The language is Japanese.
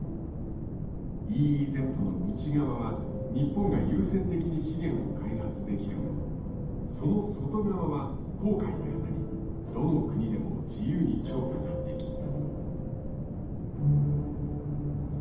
ＥＥＺの内側は日本が優先的に資源を開発できるがその外側は公海にあたりどの国でも自由に調査ができる。